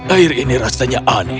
air ini rasanya aneh